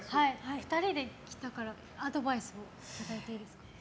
２人で来たからアドバイスをいただいていいですか。